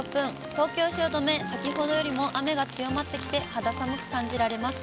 東京・汐留、先ほどよりも雨が強まってきて、肌寒く感じられます。